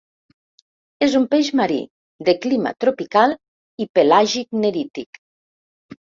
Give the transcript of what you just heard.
És un peix marí, de clima tropical i pelàgic-nerític.